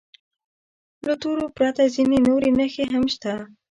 له تورو پرته ځینې نورې نښې هم شته.